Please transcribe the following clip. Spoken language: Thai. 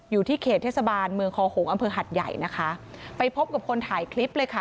อยู่ที่เขตเทศบาลเมืองคอหงษ์อำเภอหัดใหญ่นะคะไปพบกับคนถ่ายคลิปเลยค่ะ